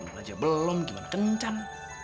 aduh kenal aja belum gimana kencan